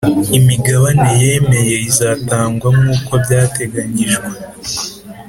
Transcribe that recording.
imigabane yemeye izatangwa nkuko byateganyijwe